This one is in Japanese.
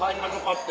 って。